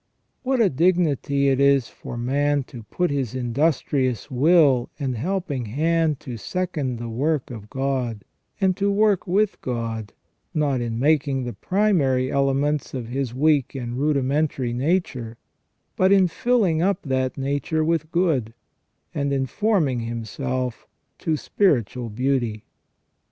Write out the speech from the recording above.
* What a dignity it is for man to put his industrious will and helping hand to second the work of God, and to work with God, not in making the primary elements of his weak and rudimentary nature, but in filling up that nature with good, and in forming himself to spiritual beauty.